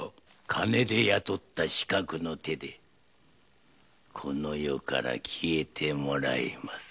金で雇った刺客の手でこの世から消えてもらいます。